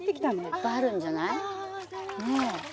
いっぱいあるんじゃない？ねえ。